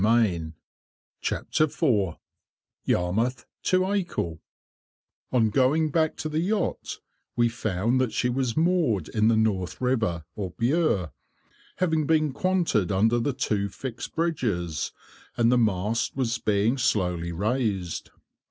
[Picture: Decorative drop capital] On going back to the yacht, we found that she was moored in the North River, or Bure, having been quanted under the two fixed bridges, and the mast was being slowly raised.